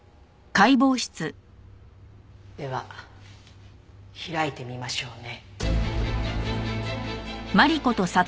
では開いてみましょうね。